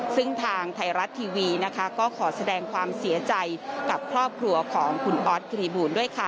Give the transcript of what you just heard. ซึ่งทางไทยรัฐทีวีนะคะก็ขอแสดงความเสียใจกับครอบครัวของคุณออสกรีบูลด้วยค่ะ